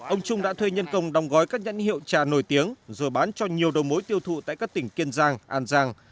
ông trung đã thuê nhân công đóng gói các nhãn hiệu trà nổi tiếng rồi bán cho nhiều đầu mối tiêu thụ tại các tỉnh kiên giang an giang